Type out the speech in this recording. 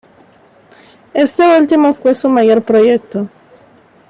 Este último fue su mayor proyecto.